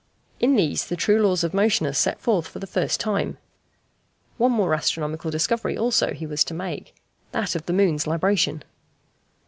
In these the true laws of motion are set forth for the first time (see page 167). One more astronomical discovery also he was to make that of the moon's libration.